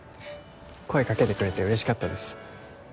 声かけてくれて嬉しかったです